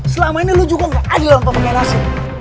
selama ini lu juga gak adil untuk mengenal hasil